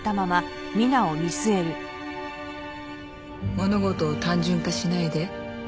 物事を単純化しないで。